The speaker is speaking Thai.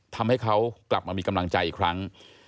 ทำให้เขากลับมามีกำลังใจอีกครั้ง